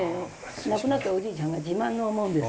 亡くなったおじいちゃんが自慢の門です。